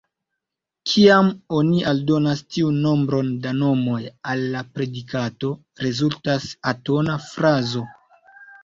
Kiam oni aldonas tiun nombron da nomoj al la predikato, rezultas atoma frazo.